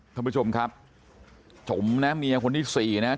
แต่จะขอโทษอะไรกับ